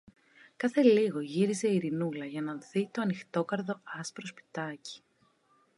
Κάθε λίγο γύριζε η Ειρηνούλα να δει το ανοιχτόκαρδο άσπρο σπιτάκι